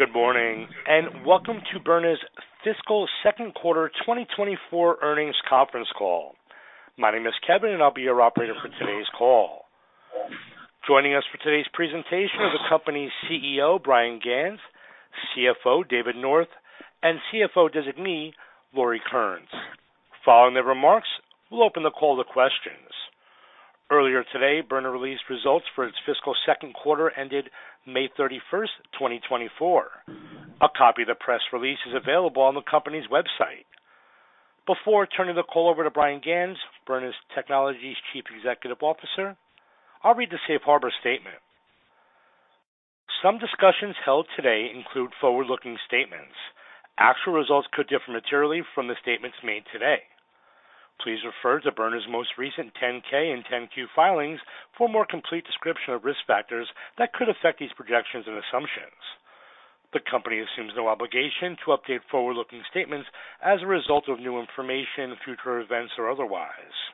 Good morning and welcome to Byrna's Fiscal Second Quarter 2024 Earnings Conference Call. My name is Kevin, and I'll be your operator for today's call. Joining us for today's presentation are the company's CEO, Bryan Ganz, CFO, David North, and CFO Designee, Laurie Kearns. Following their remarks, we'll open the call to questions. Earlier today, Byrna released results for its fiscal second quarter ended May 31st, 2024. A copy of the press release is available on the company's website. Before turning the call over to Bryan Ganz, Byrna Technologies Chief Executive Officer, I'll read the Safe Harbor Statement. Some discussions held today include forward-looking statements. Actual results could differ materially from the statements made today. Please refer to Byrna's most recent 10-K and 10-Q filings for a more complete description of risk factors that could affect these projections and assumptions. The company assumes no obligation to update forward-looking statements as a result of new information, future events, or otherwise.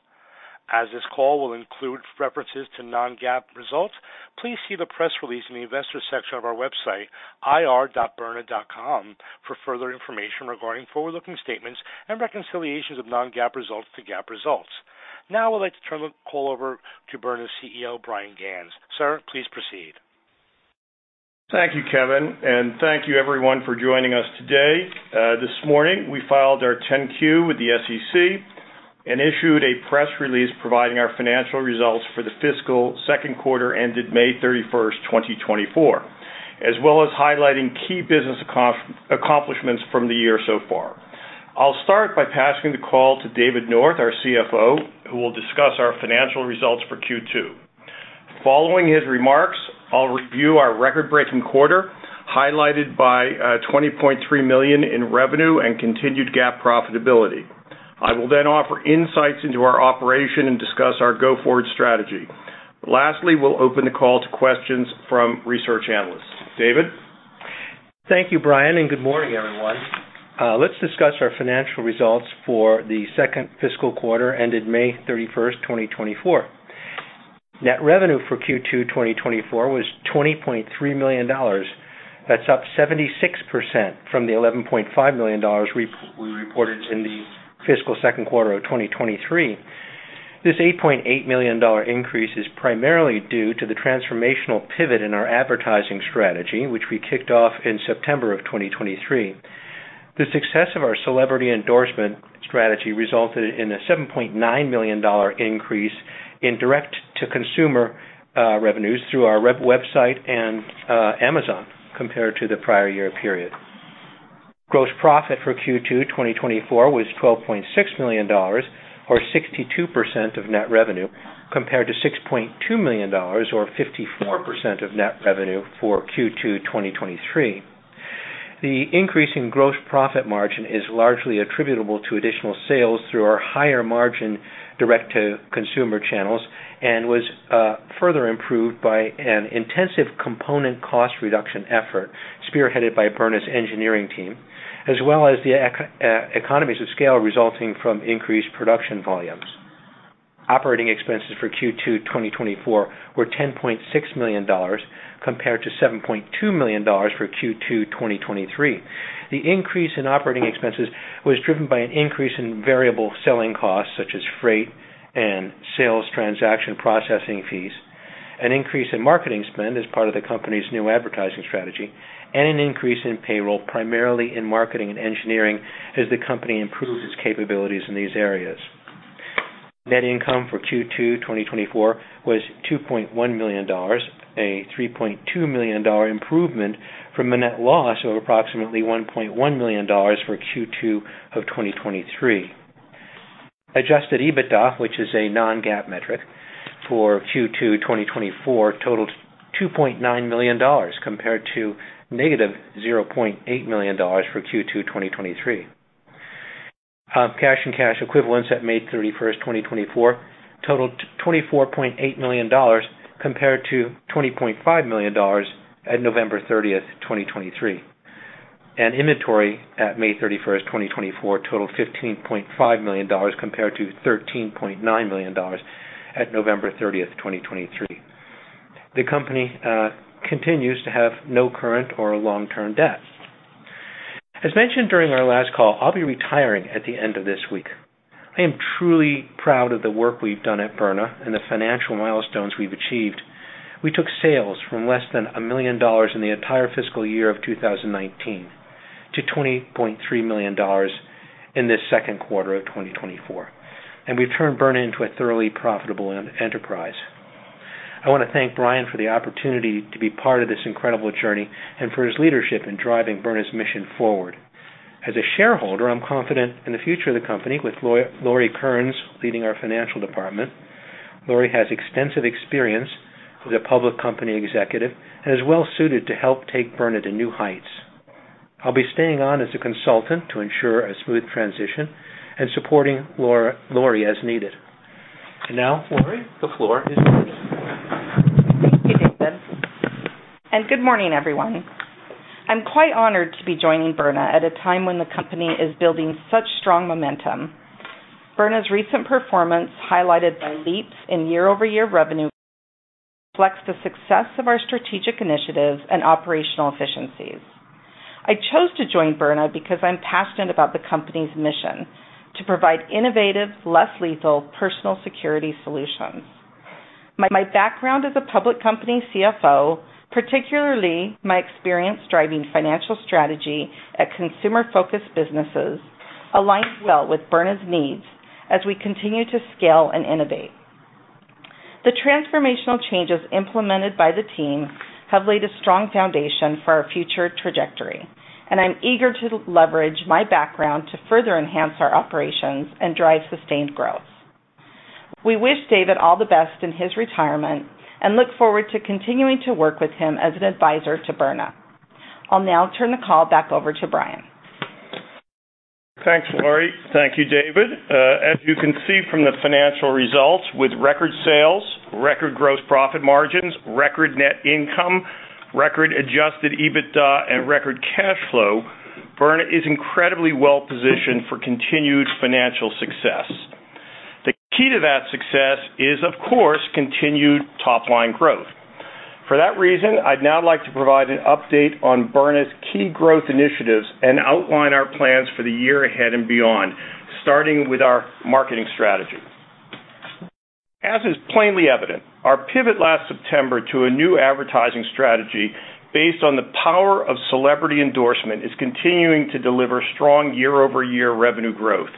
As this call will include references to non-GAAP results, please see the press release in the investor section of our website, ir.byrna.com, for further information regarding forward-looking statements and reconciliations of non-GAAP results to GAAP results. Now, I'd like to turn the call over to Byrna's CEO, Bryan Ganz. Sir, please proceed. Thank you, Kevin, and thank you, everyone, for joining us today. This morning, we filed our 10-Q with the SEC and issued a press release providing our financial results for the fiscal second quarter ended May 31st, 2024, as well as highlighting key business accomplishments from the year so far. I'll start by passing the call to David North, our CFO, who will discuss our financial results for Q2. Following his remarks, I'll review our record-breaking quarter highlighted by $20.3 million in revenue and continued GAAP profitability. I will then offer insights into our operation and discuss our go-forward strategy. Lastly, we'll open the call to questions from research analysts. David. Thank you, Bryan, and good morning, everyone. Let's discuss our financial results for the second fiscal quarter ended May 31st, 2024. Net revenue for Q2, 2024, was $20.3 million. That's up 76% from the $11.5 million we reported in the fiscal second quarter of 2023. This $8.8 million increase is primarily due to the transformational pivot in our advertising strategy, which we kicked off in September of 2023. The success of our celebrity endorsement strategy resulted in a $7.9 million increase in direct-to-consumer revenues through our website and Amazon compared to the prior year period. Gross profit for Q2, 2024, was $12.6 million, or 62% of net revenue, compared to $6.2 million, or 54% of net revenue for Q2, 2023. The increase in gross profit margin is largely attributable to additional sales through our higher-margin direct-to-consumer channels and was further improved by an intensive component cost reduction effort spearheaded by Byrna's engineering team, as well as the economies of scale resulting from increased production volumes. Operating expenses for Q2, 2024, were $10.6 million compared to $7.2 million for Q2, 2023. The increase in operating expenses was driven by an increase in variable selling costs, such as freight and sales transaction processing fees, an increase in marketing spend as part of the company's new advertising strategy, and an increase in payroll, primarily in marketing and engineering, as the company improves its capabilities in these areas. Net income for Q2, 2024, was $2.1 million, a $3.2 million improvement from a net loss of approximately $1.1 million for Q2 of 2023. Adjusted EBITDA, which is a non-GAAP metric for Q2 2024, totaled $2.9 million compared to negative $0.8 million for Q2 2023. Cash and cash equivalents at May 31st, 2024, totaled $24.8 million compared to $20.5 million at November 30th, 2023. Inventory at May 31st, 2024, totaled $15.5 million compared to $13.9 million at November 30th, 2023. The company continues to have no current or long-term debt. As mentioned during our last call, I'll be retiring at the end of this week. I am truly proud of the work we've done at Byrna and the financial milestones we've achieved. We took sales from less than $1 million in the entire fiscal year of 2019 to $20.3 million in this second quarter of 2024, and we've turned Byrna into a thoroughly profitable enterprise. I want to thank Brian for the opportunity to be part of this incredible journey and for his leadership in driving Byrna's mission forward. As a shareholder, I'm confident in the future of the company with Laurie Kearns leading our financial department. Laurie has extensive experience as a public company executive and is well-suited to help take Byrna to new heights. I'll be staying on as a consultant to ensure a smooth transition and supporting Laurie as needed. And now, Laurie, the floor is yours. Thank you, David. Good morning, everyone. I'm quite honored to be joining Byrna at a time when the company is building such strong momentum. Byrna's recent performance, highlighted by leaps in year-over-year revenue, reflects the success of our strategic initiatives and operational efficiencies. I chose to join Byrna because I'm passionate about the company's mission to provide innovative, less-lethal personal security solutions. My background as a public company CFO, particularly my experience driving financial strategy at consumer-focused businesses, aligns well with Byrna's needs as we continue to scale and innovate. The transformational changes implemented by the team have laid a strong foundation for our future trajectory, and I'm eager to leverage my background to further enhance our operations and drive sustained growth. We wish David all the best in his retirement and look forward to continuing to work with him as an advisor to Byrna. I'll now turn the call back over to Bryan. Thanks, Laurie. Thank you, David. As you can see from the financial results, with record sales, record gross profit margins, record net income, record Adjusted EBITDA, and record cash flow, Byrna is incredibly well-positioned for continued financial success. The key to that success is, of course, continued top-line growth. For that reason, I'd now like to provide an update on Byrna's key growth initiatives and outline our plans for the year ahead and beyond, starting with our marketing strategy. As is plainly evident, our pivot last September to a new advertising strategy based on the power of celebrity endorsement is continuing to deliver strong year-over-year revenue growth.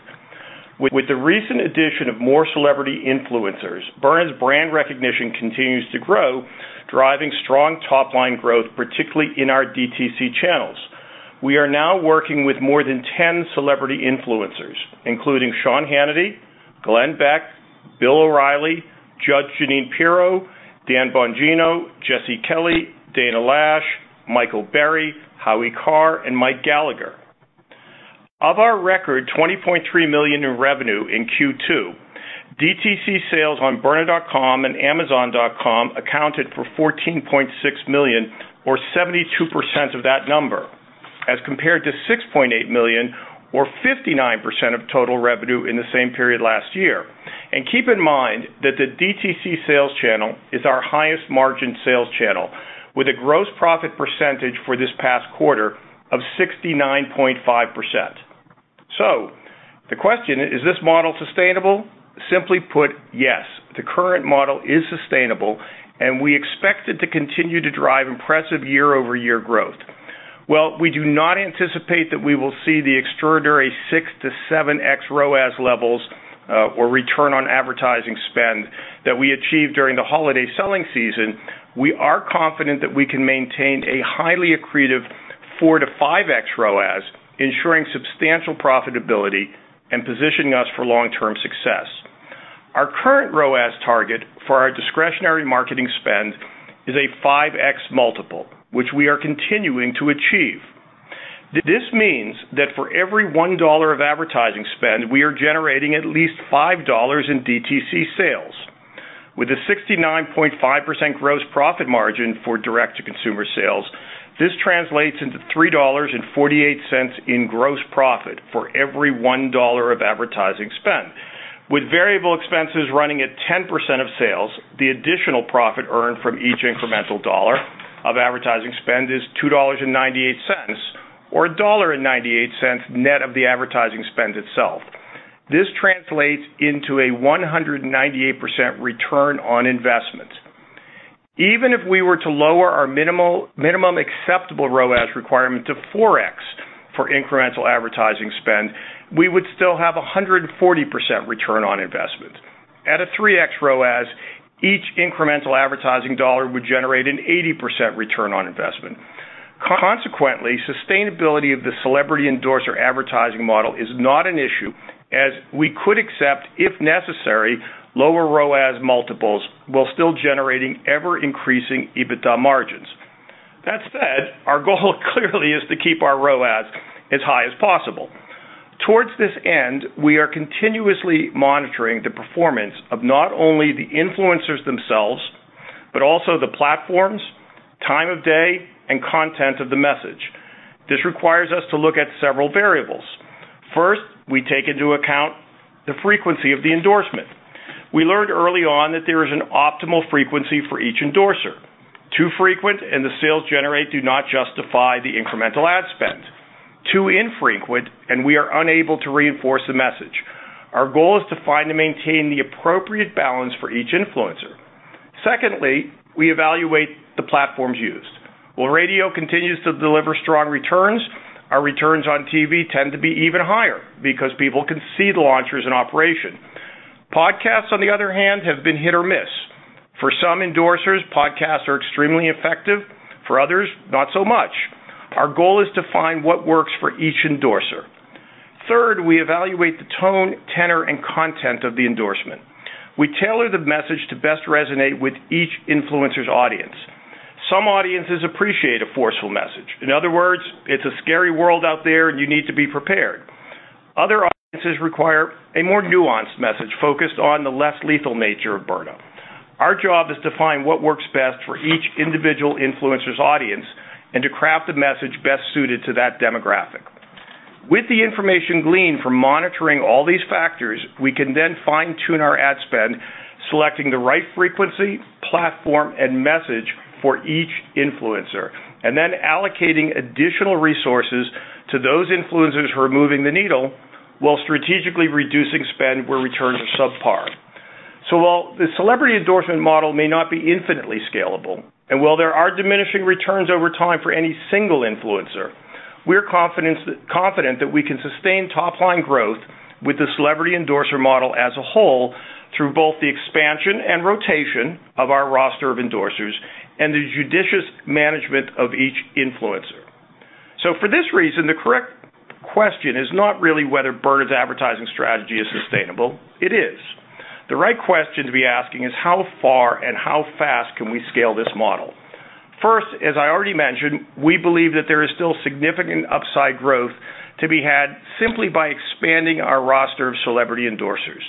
With the recent addition of more celebrity influencers, Byrna's brand recognition continues to grow, driving strong top-line growth, particularly in our DTC channels. We are now working with more than 10 celebrity influencers, including Sean Hannity, Glenn Beck, Bill O’Reilly, Judge Jeanine Pirro, Dan Bongino, Jesse Kelly, Dana Loesch, Michael Berry, Howie Carr, and Mike Gallagher. Of our record $20.3 million in revenue in Q2, DTC sales on byrna.com and amazon.com accounted for $14.6 million, or 72% of that number, as compared to $6.8 million, or 59% of total revenue in the same period last year. And keep in mind that the DTC sales channel is our highest-margin sales channel, with a gross profit percentage for this past quarter of 69.5%. So the question is, is this model sustainable? Simply put, yes. The current model is sustainable, and we expect it to continue to drive impressive year-over-year growth. Well, we do not anticipate that we will see the extraordinary 6x-7x ROAS levels or return on advertising spend that we achieved during the holiday selling season. We are confident that we can maintain a highly accretive 4x-5x ROAS, ensuring substantial profitability and positioning us for long-term success. Our current ROAS target for our discretionary marketing spend is a 5x multiple, which we are continuing to achieve. This means that for every $1 of advertising spend, we are generating at least $5 in DTC sales. With a 69.5% gross profit margin for direct-to-consumer sales, this translates into $3.48 in gross profit for every $1 of advertising spend. With variable expenses running at 10% of sales, the additional profit earned from each incremental dollar of advertising spend is $2.98, or $1.98 net of the advertising spend itself. This translates into a 198% return on investment. Even if we were to lower our minimum acceptable ROAS requirement to 4x for incremental advertising spend, we would still have a 140% return on investment. At a 3x ROAS, each incremental advertising $1 would generate an 80% return on investment. Consequently, sustainability of the celebrity endorser advertising model is not an issue, as we could accept, if necessary, lower ROAS multiples while still generating ever-increasing EBITDA margins. That said, our goal clearly is to keep our ROAS as high as possible. Toward this end, we are continuously monitoring the performance of not only the influencers themselves, but also the platforms, time of day, and content of the message. This requires us to look at several variables. First, we take into account the frequency of the endorsement. We learned early on that there is an optimal frequency for each endorser. Too frequent, and the sales generate do not justify the incremental ad spend. Too infrequent, and we are unable to reinforce the message. Our goal is to find and maintain the appropriate balance for each influencer. Secondly, we evaluate the platforms used. While radio continues to deliver strong returns, our returns on TV tend to be even higher because people can see the launchers in operation. Podcasts, on the other hand, have been hit or miss. For some endorsers, podcasts are extremely effective. For others, not so much. Our goal is to find what works for each endorser. Third, we evaluate the tone, tenor, and content of the endorsement. We tailor the message to best resonate with each influencer's audience. Some audiences appreciate a forceful message. In other words, it's a scary world out there, and you need to be prepared. Other audiences require a more nuanced message focused on the less lethal nature of Byrna. Our job is to find what works best for each individual influencer's audience and to craft a message best suited to that demographic. With the information gleaned from monitoring all these factors, we can then fine-tune our ad spend, selecting the right frequency, platform, and message for each influencer, and then allocating additional resources to those influencers who are moving the needle while strategically reducing spend where returns are subpar. So while the celebrity endorsement model may not be infinitely scalable, and while there are diminishing returns over time for any single influencer, we're confident that we can sustain top-line growth with the celebrity endorser model as a whole through both the expansion and rotation of our roster of endorsers and the judicious management of each influencer. So for this reason, the correct question is not really whether Byrna's advertising strategy is sustainable. It is. The right question to be asking is, how far and how fast can we scale this model? First, as I already mentioned, we believe that there is still significant upside growth to be had simply by expanding our roster of celebrity endorsers.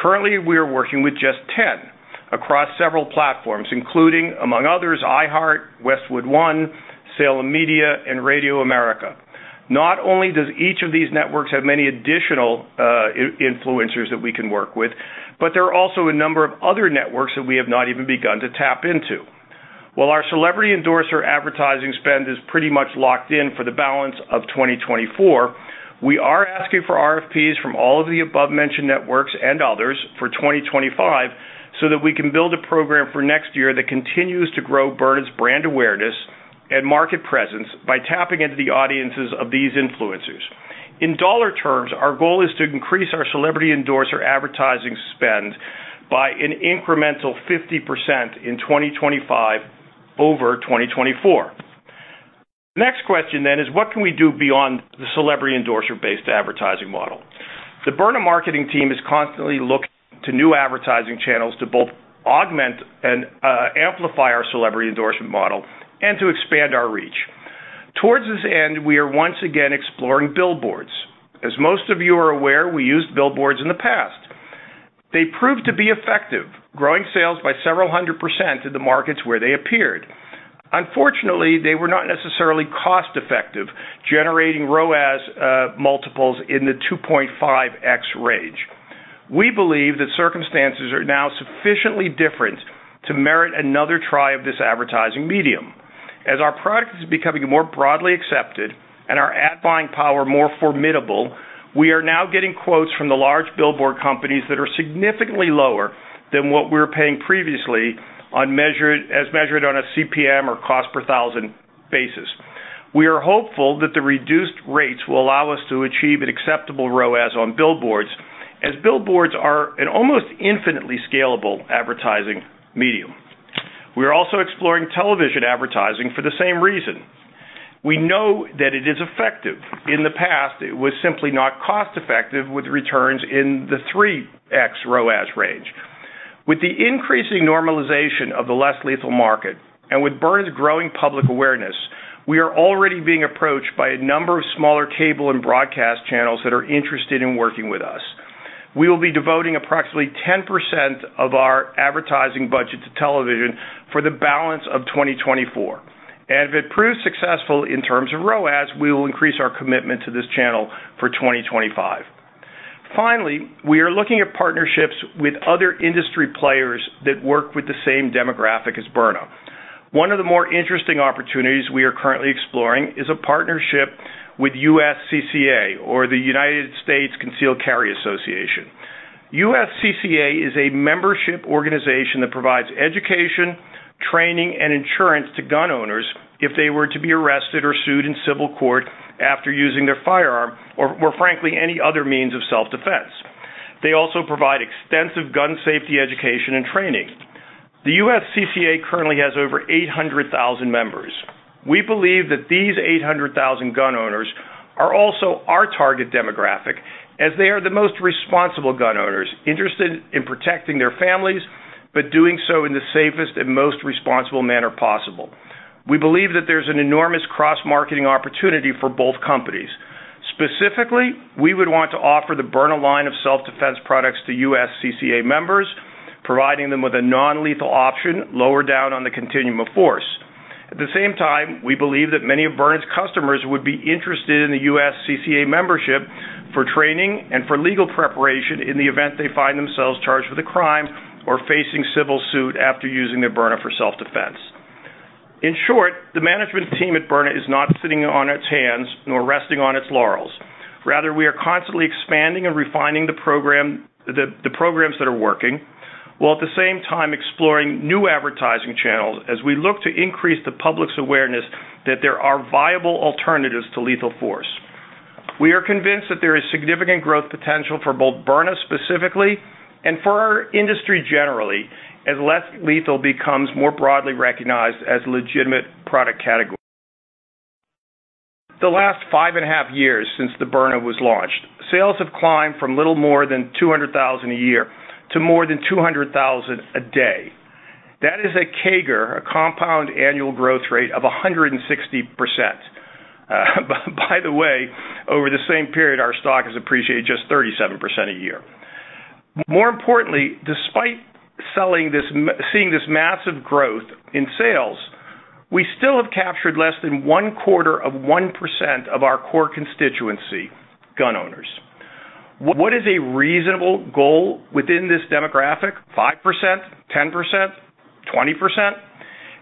Currently, we are working with just 10 across several platforms, including, among others, iHeart, Westwood One, Salem Media, and Radio America. Not only does each of these networks have many additional influencers that we can work with, but there are also a number of other networks that we have not even begun to tap into. While our celebrity endorser advertising spend is pretty much locked in for the balance of 2024, we are asking for RFPs from all of the above-mentioned networks and others for 2025 so that we can build a program for next year that continues to grow Byrna's brand awareness and market presence by tapping into the audiences of these influencers. In dollar terms, our goal is to increase our celebrity endorser advertising spend by an incremental 50% in 2025 over 2024. The next question then is, what can we do beyond the celebrity endorser-based advertising model? The Byrna marketing team is constantly looking to new advertising channels to both augment and amplify our celebrity endorsement model and to expand our reach. Towards this end, we are once again exploring billboards. As most of you are aware, we used billboards in the past. They proved to be effective, growing sales by several hundred% in the markets where they appeared. Unfortunately, they were not necessarily cost-effective, generating ROAS multiples in the 2.5x range. We believe that circumstances are now sufficiently different to merit another try of this advertising medium. As our product is becoming more broadly accepted and our ad buying power more formidable, we are now getting quotes from the large billboard companies that are significantly lower than what we were paying previously as measured on a CPM or cost per thousand basis. We are hopeful that the reduced rates will allow us to achieve an acceptable ROAS on billboards, as billboards are an almost infinitely scalable advertising medium. We are also exploring television advertising for the same reason. We know that it is effective. In the past, it was simply not cost-effective with returns in the 3x ROAS range. With the increasing normalization of the less lethal market and with Byrna's growing public awareness, we are already being approached by a number of smaller cable and broadcast channels that are interested in working with us. We will be devoting approximately 10% of our advertising budget to television for the balance of 2024. If it proves successful in terms of ROAS, we will increase our commitment to this channel for 2025. Finally, we are looking at partnerships with other industry players that work with the same demographic as Byrna. One of the more interesting opportunities we are currently exploring is a partnership with U.S. Concealed Carry Association, or the United States Concealed Carry Association. U.S. Concealed Carry Association is a membership organization that provides education, training, and insurance to gun owners if they were to be arrested or sued in civil court after using their firearm or, more frankly, any other means of self-defense. They also provide extensive gun safety education and training. The USCCA currently has over 800,000 members. We believe that these 800,000 gun owners are also our target demographic, as they are the most responsible gun owners interested in protecting their families, but doing so in the safest and most responsible manner possible. We believe that there's an enormous cross-marketing opportunity for both companies. Specifically, we would want to offer the Byrna line of self-defense products to USCCA members, providing them with a non-lethal option lower down on the continuum of force. At the same time, we believe that many of Byrna's customers would be interested in the USCCA membership for training and for legal preparation in the event they find themselves charged with a crime or facing civil suit after using their Byrna for self-defense. In short, the management team at Byrna is not sitting on its hands nor resting on its laurels. Rather, we are constantly expanding and refining the programs that are working, while at the same time exploring new advertising channels as we look to increase the public's awareness that there are viable alternatives to lethal force. We are convinced that there is significant growth potential for both Byrna specifically and for our industry generally as less lethal becomes more broadly recognized as a legitimate product category. The last 5.5 years since the Byrna was launched, sales have climbed from little more than 200,000 a year to more than 200,000 a day. That is a CAGR, a compound annual growth rate of 160%. By the way, over the same period, our stock has appreciated just 37% a year. More importantly, despite seeing this massive growth in sales, we still have captured less than one quarter of 1% of our core constituency, gun owners. What is a reasonable goal within this demographic? 5%, 10%, 20%?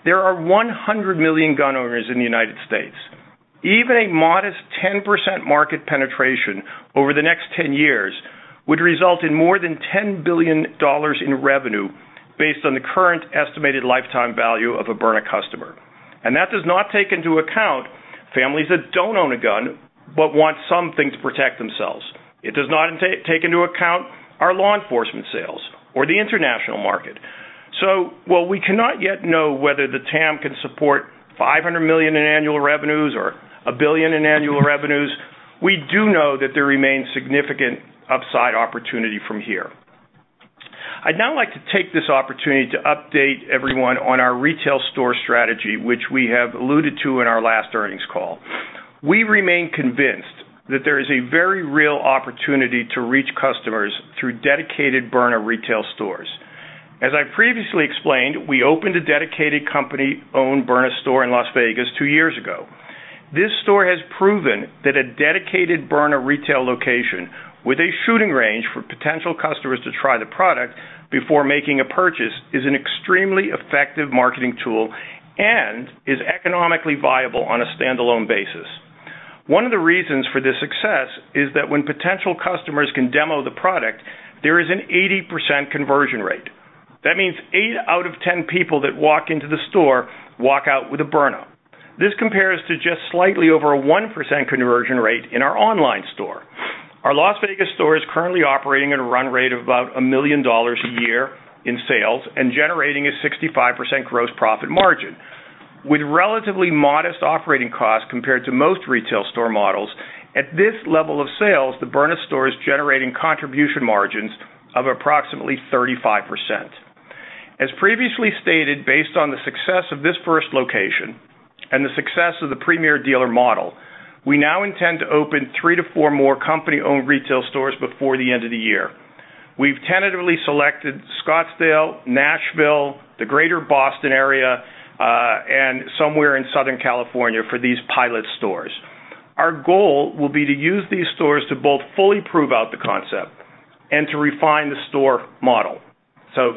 There are 100 million gun owners in the United States. Even a modest 10% market penetration over the next 10 years would result in more than $10 billion in revenue based on the current estimated lifetime value of a Byrna customer. And that does not take into account families that don't own a gun but want something to protect themselves. It does not take into account our law enforcement sales or the international market. So while we cannot yet know whether the TAM can support $500 million in annual revenues or $1 billion in annual revenues, we do know that there remains significant upside opportunity from here. I'd now like to take this opportunity to update everyone on our retail store strategy, which we have alluded to in our last earnings call. We remain convinced that there is a very real opportunity to reach customers through dedicated Byrna retail stores. As I previously explained, we opened a dedicated company-owned Byrna store in Las Vegas two years ago. This store has proven that a dedicated Byrna retail location with a shooting range for potential customers to try the product before making a purchase is an extremely effective marketing tool and is economically viable on a standalone basis. One of the reasons for this success is that when potential customers can demo the product, there is an 80% conversion rate. That means eight out of 10 people that walk into the store walk out with a Byrna. This compares to just slightly over a 1% conversion rate in our online store. Our Las Vegas store is currently operating at a run rate of about $1 million a year in sales and generating a 65% gross profit margin. With relatively modest operating costs compared to most retail store models, at this level of sales, the Byrna store is generating contribution margins of approximately 35%. As previously stated, based on the success of this first location and the success of the premier dealer model, we now intend to open three to four more company-owned retail stores before the end of the year. We've tentatively selected Scottsdale, Nashville, the greater Boston area, and somewhere in Southern California for these pilot stores. Our goal will be to use these stores to both fully prove out the concept and to refine the store model. So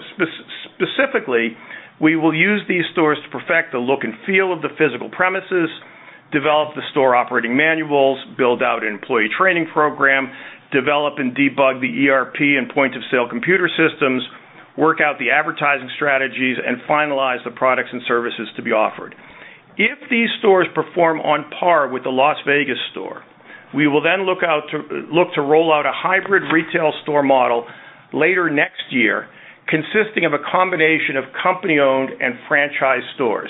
specifically, we will use these stores to perfect the look and feel of the physical premises, develop the store operating manuals, build out an employee training program, develop and debug the ERP and point-of-sale computer systems, work out the advertising strategies, and finalize the products and services to be offered. If these stores perform on par with the Las Vegas store, we will then look to roll out a hybrid retail store model later next year consisting of a combination of company-owned and franchise stores.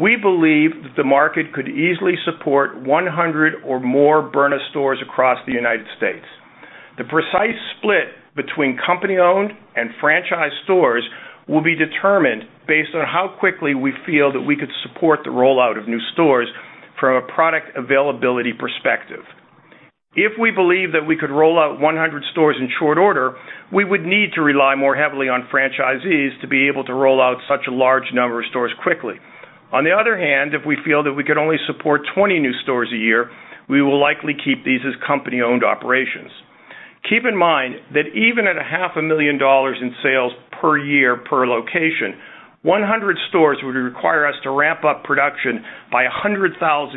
We believe that the market could easily support 100 or more Byrna stores across the United States. The precise split between company-owned and franchise stores will be determined based on how quickly we feel that we could support the rollout of new stores from a product availability perspective. If we believe that we could roll out 100 stores in short order, we would need to rely more heavily on franchisees to be able to roll out such a large number of stores quickly. On the other hand, if we feel that we could only support 20 new stores a year, we will likely keep these as company-owned operations. Keep in mind that even at $500,000 in sales per year per location, 100 stores would require us to ramp up production by 100,000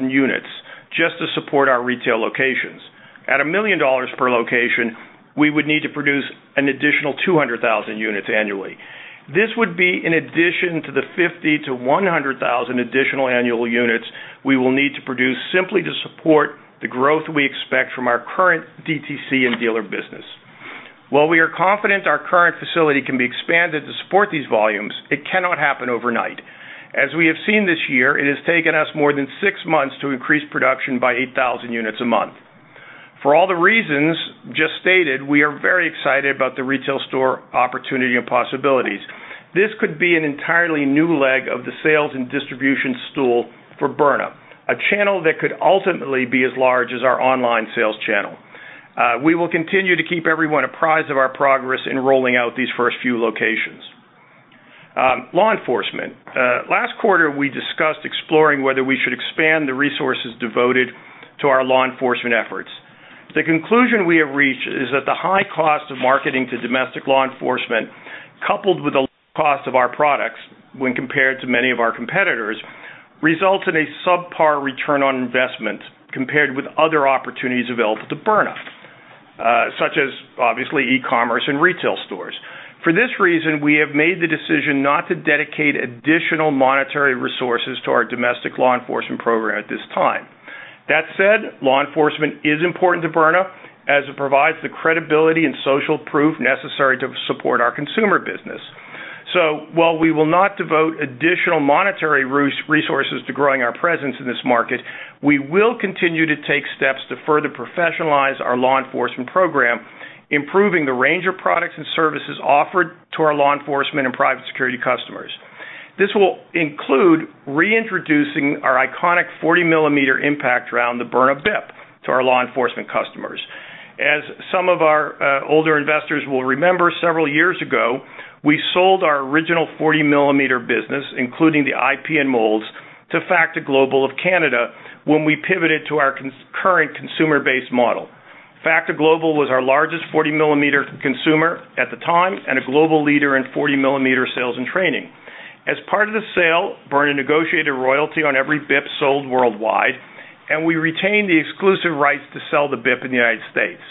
units just to support our retail locations. At $1 million per location, we would need to produce an additional 200,000 units annually. This would be in addition to the 50,000-100,000 additional annual units we will need to produce simply to support the growth we expect from our current DTC and dealer business. While we are confident our current facility can be expanded to support these volumes, it cannot happen overnight. As we have seen this year, it has taken us more than six months to increase production by 8,000 units a month. For all the reasons just stated, we are very excited about the retail store opportunity and possibilities. This could be an entirely new leg of the sales and distribution stool for Byrna, a channel that could ultimately be as large as our online sales channel. We will continue to keep everyone apprised of our progress in rolling out these first few locations. Law enforcement. Last quarter, we discussed exploring whether we should expand the resources devoted to our law enforcement efforts. The conclusion we have reached is that the high cost of marketing to domestic law enforcement, coupled with the cost of our products when compared to many of our competitors, results in a subpar return on investment compared with other opportunities available to Byrna, such as, obviously, e-commerce and retail stores. For this reason, we have made the decision not to dedicate additional monetary resources to our domestic law enforcement program at this time. That said, law enforcement is important to Byrna as it provides the credibility and social proof necessary to support our consumer business. So while we will not devote additional monetary resources to growing our presence in this market, we will continue to take steps to further professionalize our law enforcement program, improving the range of products and services offered to our law enforcement and private security customers. This will include reintroducing our iconic 40-millimeter impact round, the Byrna BIP, to our law enforcement customers. As some of our older investors will remember, several years ago, we sold our original 40-millimeter business, including the IP and molds, to Facta Global of Canada when we pivoted to our current consumer-based model. Facta Global was our largest 40-millimeter consumer at the time and a global leader in 40-millimeter sales and training. As part of the sale, Byrna negotiated royalty on every BIP sold worldwide, and we retained the exclusive rights to sell the BIP in the United States.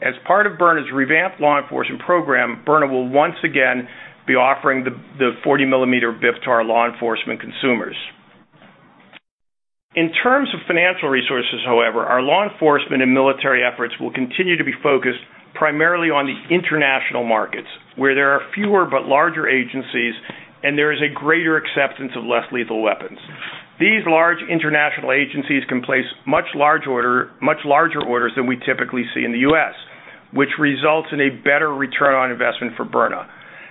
As part of Byrna's revamped law enforcement program, Byrna will once again be offering the 40-millimeter BIP to our law enforcement consumers. In terms of financial resources, however, our law enforcement and military efforts will continue to be focused primarily on the international markets, where there are fewer but larger agencies, and there is a greater acceptance of less lethal weapons. These large international agencies can place much larger orders than we typically see in the U.S., which results in a better return on investment for Byrna.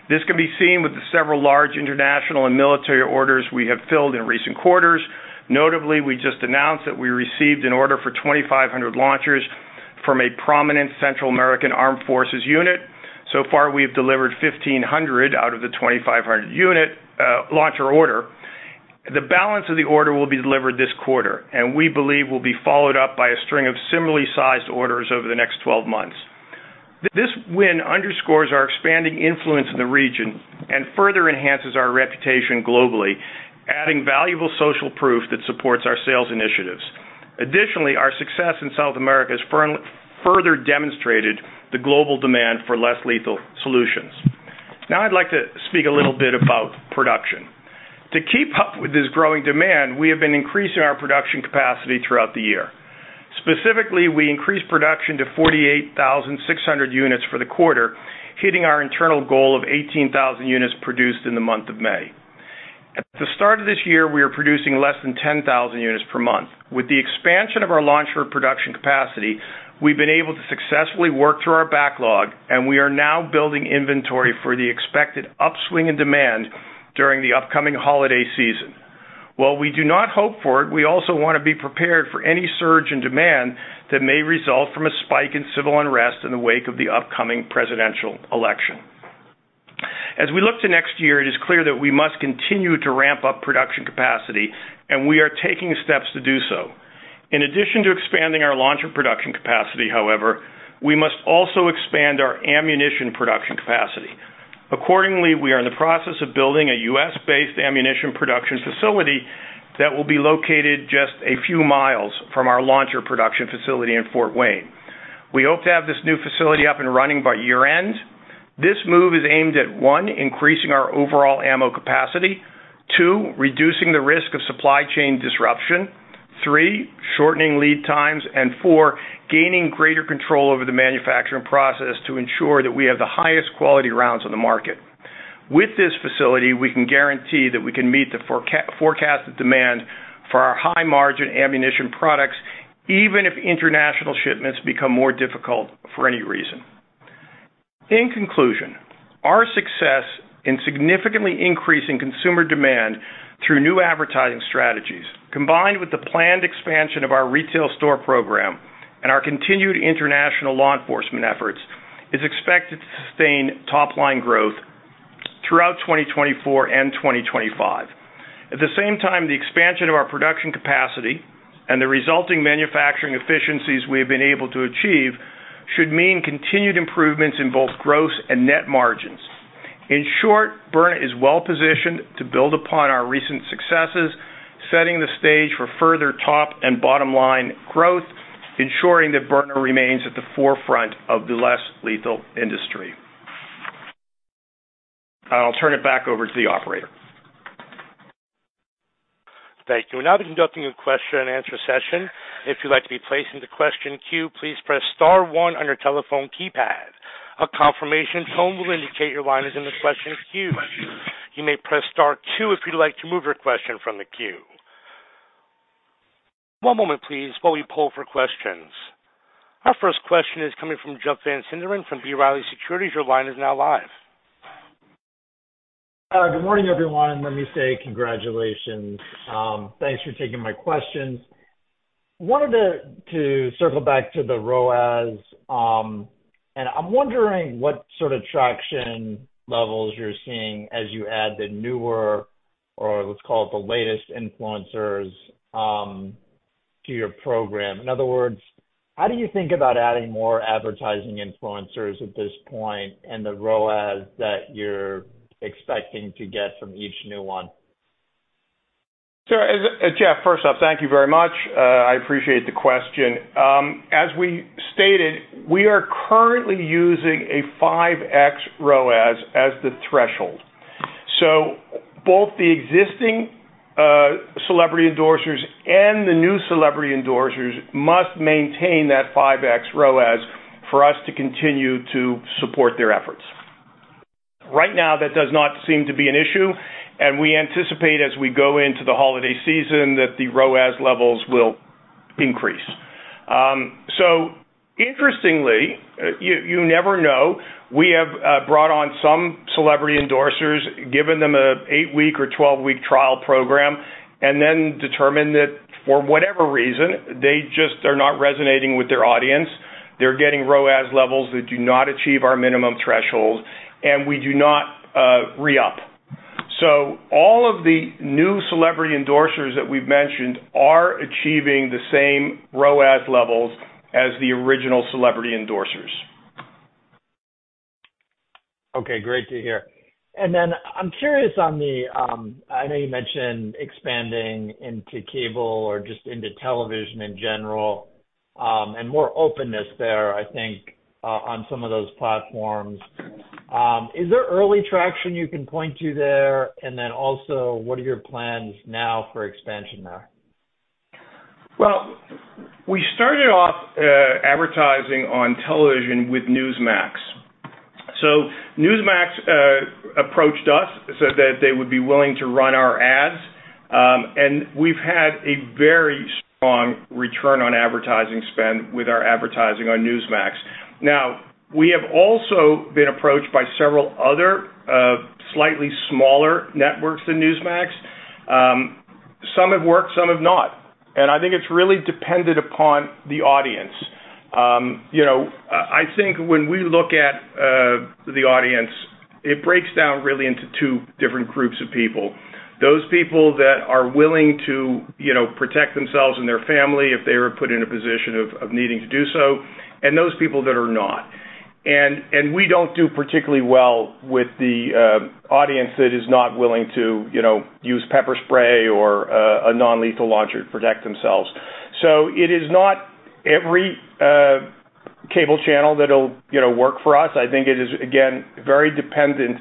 This can be seen with the several large international and military orders we have filled in recent quarters. Notably, we just announced that we received an order for 2,500 launchers from a prominent Central American Armed Forces unit. So far, we have delivered 1,500 out of the 2,500 launcher order. The balance of the order will be delivered this quarter, and we believe will be followed up by a string of similarly sized orders over the next 12 months. This win underscores our expanding influence in the region and further enhances our reputation globally, adding valuable social proof that supports our sales initiatives. Additionally, our success in South America has further demonstrated the global demand for less lethal solutions. Now, I'd like to speak a little bit about production. To keep up with this growing demand, we have been increasing our production capacity throughout the year. Specifically, we increased production to 48,600 units for the quarter, hitting our internal goal of 18,000 units produced in the month of May. At the start of this year, we were producing less than 10,000 units per month. With the expansion of our launcher production capacity, we've been able to successfully work through our backlog, and we are now building inventory for the expected upswing in demand during the upcoming holiday season. While we do not hope for it, we also want to be prepared for any surge in demand that may result from a spike in civil unrest in the wake of the upcoming presidential election. As we look to next year, it is clear that we must continue to ramp up production capacity, and we are taking steps to do so. In addition to expanding our launcher production capacity, however, we must also expand our ammunition production capacity. Accordingly, we are in the process of building a U.S.-based ammunition production facility that will be located just a few miles from our launcher production facility in Fort Wayne. We hope to have this new facility up and running by year-end. This move is aimed at, 1, increasing our overall ammo capacity, 2, reducing the risk of supply chain disruption, 3, shortening lead times, and 4, gaining greater control over the manufacturing process to ensure that we have the highest quality rounds on the market. With this facility, we can guarantee that we can meet the forecasted demand for our high-margin ammunition products, even if international shipments become more difficult for any reason. In conclusion, our success in significantly increasing consumer demand through new advertising strategies, combined with the planned expansion of our retail store program and our continued international law enforcement efforts, is expected to sustain top-line growth throughout 2024 and 2025. At the same time, the expansion of our production capacity and the resulting manufacturing efficiencies we have been able to achieve should mean continued improvements in both gross and net margins. In short, Byrna is well-positioned to build upon our recent successes, setting the stage for further top and bottom-line growth, ensuring that Byrna remains at the forefront of the less lethal industry. I'll turn it back over to the operator. Thank you. We're now conducting a question-and-answer session. If you'd like to be placed into question queue, please press star one on your telephone keypad. A confirmation tone will indicate your line is in the question queue. You may press star two if you'd like to move your question from the queue. One moment, please, while we pull for questions. Our first question is coming from Jeff Van Sinderen from B. Riley Securities. Your line is now live. Good morning, everyone. Let me say congratulations. Thanks for taking my questions. I wanted to circle back to the ROAS, and I'm wondering what sort of traction levels you're seeing as you add the newer, or let's call it the latest, influencers to your program. In other words, how do you think about adding more advertising influencers at this point and the ROAS that you're expecting to get from each new one? So, Jeff, first off, thank you very much. I appreciate the question. As we stated, we are currently using a 5x ROAS as the threshold. So both the existing celebrity endorsers and the new celebrity endorsers must maintain that 5x ROAS for us to continue to support their efforts. Right now, that does not seem to be an issue, and we anticipate, as we go into the holiday season, that the ROAS levels will increase. So, interestingly, you never know, we have brought on some celebrity endorsers, given them an 8-week or 12-week trial program, and then determined that, for whatever reason, they just are not resonating with their audience, they're getting ROAS levels that do not achieve our minimum threshold, and we do not re-up. So all of the new celebrity endorsers that we've mentioned are achieving the same ROAS levels as the original celebrity endorsers. Okay. Great to hear. And then I'm curious on the I know you mentioned expanding into cable or just into television in general and more openness there, I think, on some of those platforms. Is there early traction you can point to there? And then also, what are your plans now for expansion there? Well, we started off advertising on television with Newsmax. So Newsmax approached us, said that they would be willing to run our ads, and we've had a very strong return on advertising spend with our advertising on Newsmax. Now, we have also been approached by several other slightly smaller networks than Newsmax. Some have worked, some have not. And I think it's really dependent upon the audience. I think when we look at the audience, it breaks down really into two different groups of people: those people that are willing to protect themselves and their family if they were put in a position of needing to do so, and those people that are not. And we don't do particularly well with the audience that is not willing to use pepper spray or a non-lethal launcher to protect themselves. So it is not every cable channel that will work for us. I think it is, again, very dependent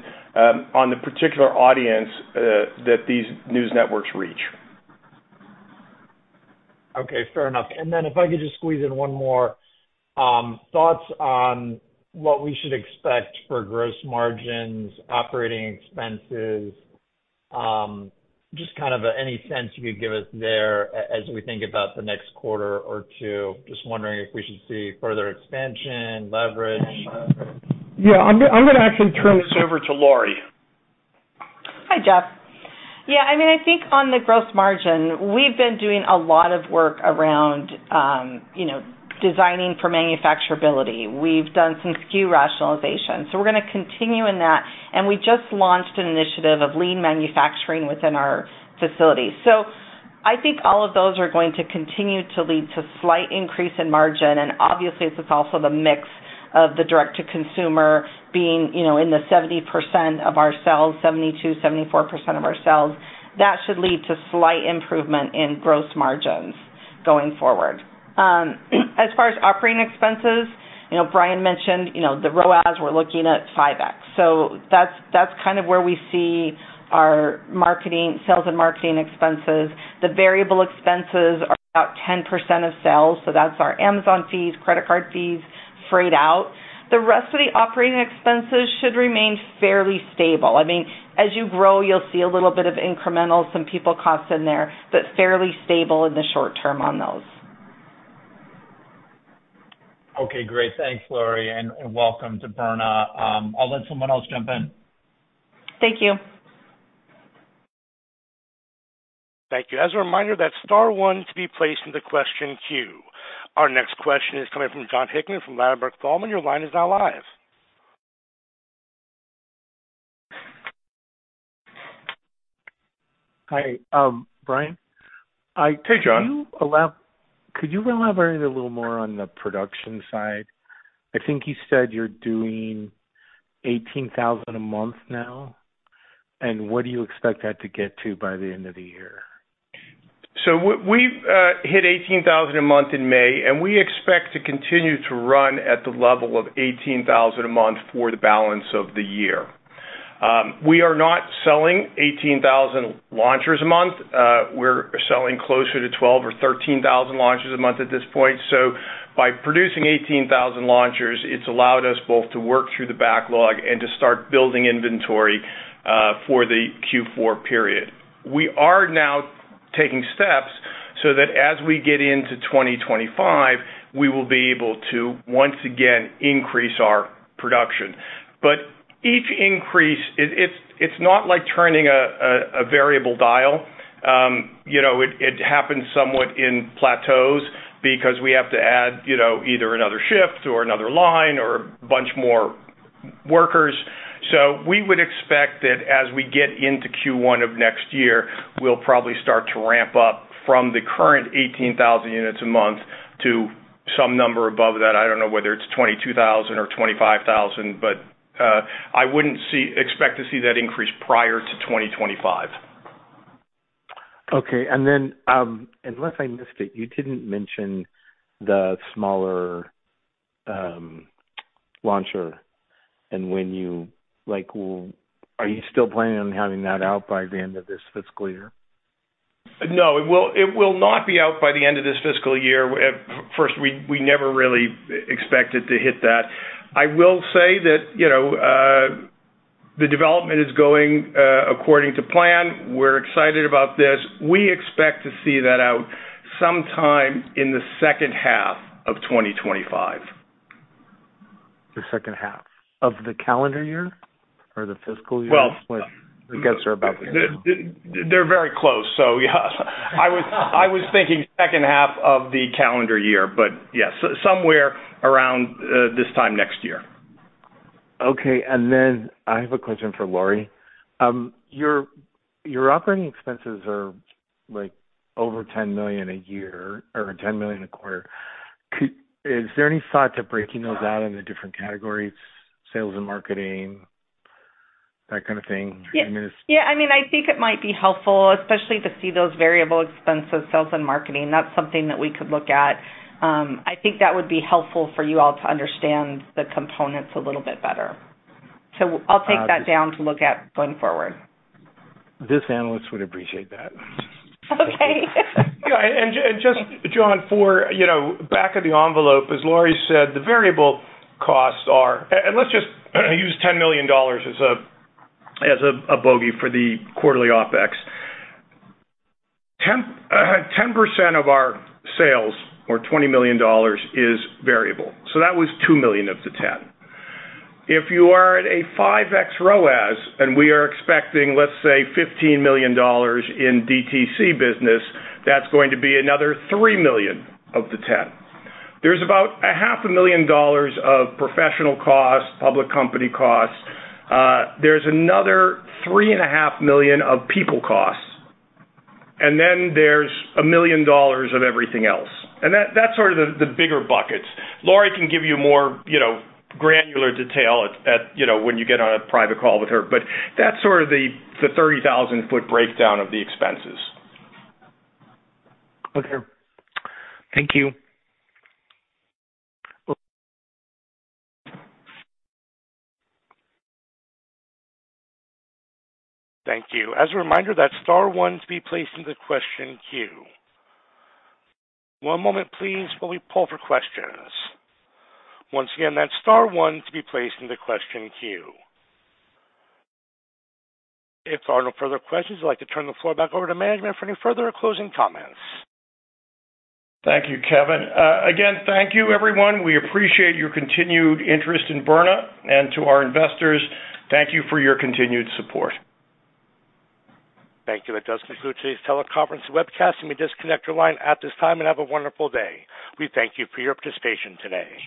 on the particular audience that these news networks reach. Okay. Fair enough. And then if I could just squeeze in one more thoughts on what we should expect for gross margins, operating expenses, just kind of any sense you could give us there as we think about the next quarter or two. Just wondering if we should see further expansion, leverage. Yeah. I'm going to actually turn this over to Laurie. Hi, Jeff. Yeah. I mean, I think on the gross margin, we've been doing a lot of work around designing for manufacturability. We've done some SKU rationalization. So we're going to continue in that. And we just launched an initiative of Lean manufacturing within our facility. So I think all of those are going to continue to lead to slight increase in margin. Obviously, it's also the mix of the direct-to-consumer being in the 70% of our sales, 72%-74% of our sales. That should lead to slight improvement in gross margins going forward. As far as operating expenses, Bryan mentioned the ROAS, we're looking at 5X. So that's kind of where we see our sales and marketing expenses. The variable expenses are about 10% of sales. So that's our Amazon fees, credit card fees, freight out. The rest of the operating expenses should remain fairly stable. I mean, as you grow, you'll see a little bit of incremental, some people cost in there, but fairly stable in the short term on those. Okay. Great. Thanks, Laurie, and welcome to Byrna. I'll let someone else jump in. Thank you. Thank you. As a reminder, that star one to be placed in the question queue. Our next question is coming from Jon Hickman from Ladenburg Thalmann. Your line is now live. Hi, Bryan. Hi, John. Could you elaborate a little more on the production side? I think you said you're doing 18,000 a month now. And what do you expect that to get to by the end of the year? So we hit 18,000 a month in May, and we expect to continue to run at the level of 18,000 a month for the balance of the year. We are not selling 18,000 launchers a month. We're selling closer to 12,000 or 13,000 launchers a month at this point. So by producing 18,000 launchers, it's allowed us both to work through the backlog and to start building inventory for the Q4 period. We are now taking steps so that as we get into 2025, we will be able to once again increase our production. But each increase, it's not like turning a variable dial. It happens somewhat in plateaus because we have to add either another shift or another line or a bunch more workers. So we would expect that as we get into Q1 of next year, we'll probably start to ramp up from the current 18,000 units a month to some number above that. I don't know whether it's 22,000 or 25,000, but I wouldn't expect to see that increase prior to 2025. Okay. And then unless I missed it, you didn't mention the smaller launcher. And are you still planning on having that out by the end of this fiscal year? No. It will not be out by the end of this fiscal year. First, we never really expected to hit that. I will say that the development is going according to plan. We're excited about this. We expect to see that out sometime in the second half of 2025. The second half of the calendar year or the fiscal year? Well, I guess we're about there. They're very close. So I was thinking second half of the calendar year, but yes, somewhere around this time next year. Okay. And then I have a question for Laurie. Your operating expenses are over $10 million a year or $10 million a quarter. Is there any thought to breaking those out into different categories? Sales and marketing, that kind of thing? Yeah. I mean, I think it might be helpful, especially to see those variable expenses, sales and marketing. That's something that we could look at. I think that would be helpful for you all to understand the components a little bit better. So I'll take that down to look at going forward. This analyst would appreciate that. Okay. Just, John, back of the envelope, as Laurie said, the variable costs are and let's just use $10 million as a bogey for the quarterly OpEx. 10% of our sales, or $20 million, is variable. So that was $2 million of the $10 million. If you are at a 5x ROAS and we are expecting, let's say, $15 million in DTC business, that's going to be another $3 million of the $10 million. There's about $500,000 of professional costs, public company costs. There's another $3.5 million of people costs. And then there's $1 million of everything else. And that's sort of the bigger buckets. Laurie can give you more granular detail when you get on a private call with her, but that's sort of the 30,000-ft breakdown of the expenses. Okay. Thank you. Thank you. As a reminder, that star one to be placed in the question queue. One moment, please, while we pull for questions. Once again, that star one to be placed in the question queue. If there are no further questions, I'd like to turn the floor back over to management for any further closing comments. Thank you, Kevin. Again, thank you, everyone. We appreciate your continued interest in Byrna. To our investors, thank you for your continued support. Thank you. That does conclude today's teleconference webcast. Let me disconnect your line at this time and have a wonderful day. We thank you for your participation today.